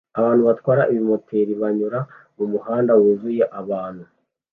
Abantu batwara ibimoteri banyura mumuhanda wuzuye abantu